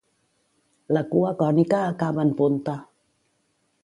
La cua cònica acaba en punta.